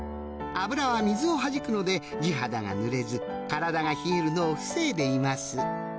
脂は水をはじくので地肌がぬれず体が冷えるのを防いでいます